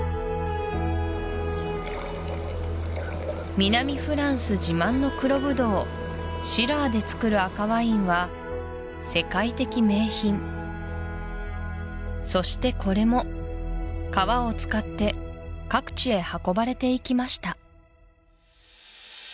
南フランス自慢の黒ブドウシラーで造る赤ワインは世界的名品そしてこれも川を使って各地へ運ばれていきました